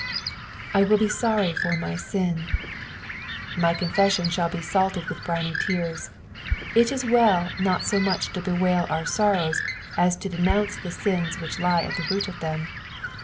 "/ wilt ba tarry for my tin." Uy coufeerion shall be saltod with briny tears. It is well not HO much to bewail our Borrows as to denounce the sins wtiich lie at the root of them.